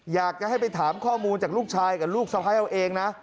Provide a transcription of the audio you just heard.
อยากจะให้ไปถามข้อมูลจากลูกชายกับลูกสะพ้ายเอาเองนะ